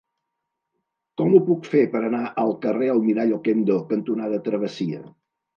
Com ho puc fer per anar al carrer Almirall Okendo cantonada Travessia?